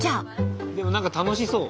でも何か楽しそう。